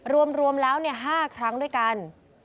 รวมแล้ว๕ครั้งด้วยกัน